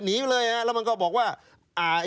หนีไปเลยแล้วมันก็บอกว่า